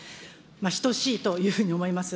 等しいというふうに思います。